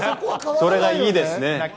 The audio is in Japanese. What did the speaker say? それがいいですね。